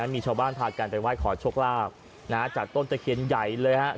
มีชาวบ้านพากันไปไหว้ขอโชคลาภจากต้นตะเคียนใหญ่เลยครับ